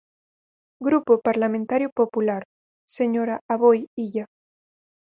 Grupo Parlamentario Popular, señora Aboi Illa.